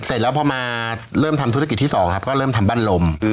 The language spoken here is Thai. เสร็จแล้วพอมาเริ่มทำธุรกิจที่๒ครับก็เริ่มทำบ้านลม